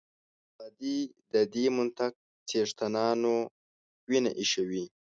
ازادي د دې منطق څښتنانو وینه ایشوي.